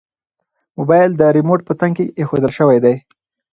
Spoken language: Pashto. موبایل د ریموټ په څنګ کې ایښودل شوی دی.